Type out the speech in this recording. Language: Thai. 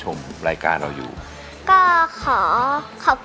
คุณแม่รู้สึกยังไงในตัวของกุ้งอิงบ้าง